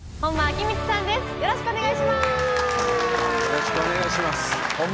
よろしくお願いします。